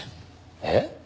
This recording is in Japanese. えっ？